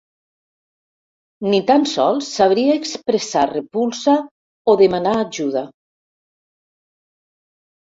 Ni tan sols sabria expressar repulsa o demanar ajuda.